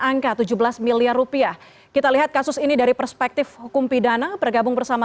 angka tujuh belas miliar rupiah kita lihat kasus ini dari perspektif hukum pidana bergabung bersama